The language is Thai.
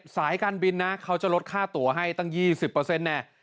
สายการบินนะเขาจะลดค่าตัวให้ตั้ง๒๐แน่